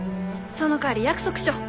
そのかわり約束しよう。